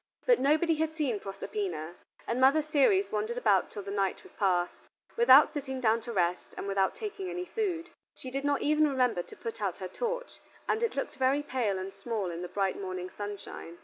But nobody had seen Proserpina, and Mother Ceres wandered about till the night was passed, without sitting down to rest, and without taking any food. She did not even remember to put out her torch, and it looked very pale and small in the bright morning sunshine.